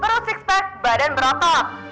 perut six pack badan beratot